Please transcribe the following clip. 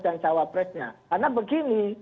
dan cawapresnya karena begini